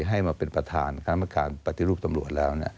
ให้มาเป็นประธานคณะประการปฏิรูปตำรวจแล้ว